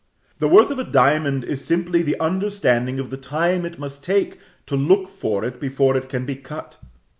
The worth of a diamond is simply the understanding of the time it must take to look for it before it can be cut.